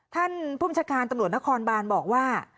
ท่านผู้บัญชาการตำรวจนครบานบอกว่า